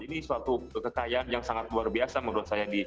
ini suatu kekayaan yang sangat luar biasa menurut saya